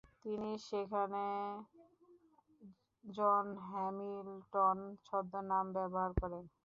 তিনি সেখানে John Hamilton ছদ্মনাম ব্যবহার করেন।